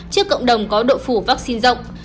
trước cộng đồng có độ phủ vaccine rộng